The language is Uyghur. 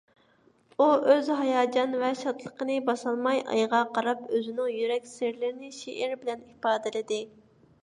ئۇ ئۆز ھاياجان ۋە شادلىقىنى باسالماي، ئايغا قاراپ ئۆزىنىڭ يۈرەك سىرلىرىنى شېئىر بىلەن ئىپادىلىدى.